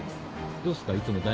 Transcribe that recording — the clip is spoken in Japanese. どうっすか？